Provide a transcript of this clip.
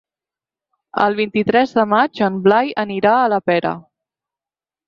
El vint-i-tres de maig en Blai anirà a la Pera.